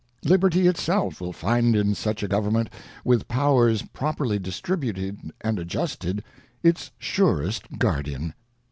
ŌĆö Liberty itself will find in such a Government, with powers properly distributed and adjusted, its surest Guardian.